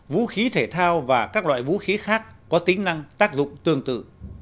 vũ khí thể thao và các loại vũ khí khác có tính năng tác dụng tương tự